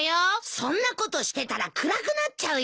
そんなことしてたら暗くなっちゃうよ。